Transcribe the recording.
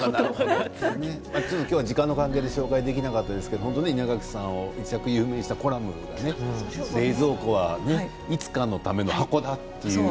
今日は時間の関係で紹介できなかったですけれども稲垣さんを一躍有名にしたコラムが冷蔵庫はいつかのための箱だって。